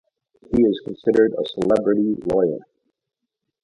He is considered a "celebrity lawyer".